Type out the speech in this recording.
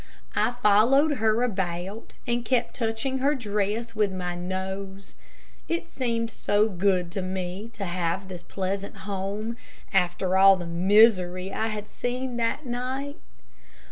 I followed her about, and kept touching her dress with my nose. It seemed so good to me to have this pleasant home after all the misery I had seen that night.